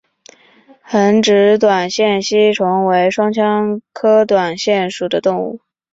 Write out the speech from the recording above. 横殖短腺吸虫为双腔科短腺属的动物。